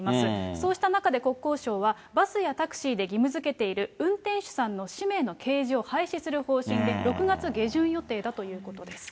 そうした中で、国交省は、バスやタクシーで義務づけている運転手さんの氏名の掲示を廃止する方針で、６月下旬予定だということです。